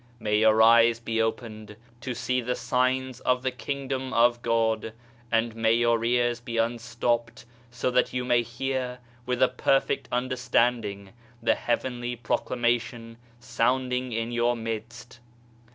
May your eyes be opened to see the signs of the Kingdom of God, and may your ears be unstopped so that you may hear with a perfect understanding the Heavenly Proclamation sounding in your midst.